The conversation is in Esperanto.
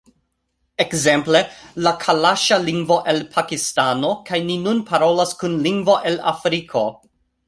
Ekzemple, la kalaŝa lingvo el Pakistano kaj ni nun parolas kun lingvo el Afriko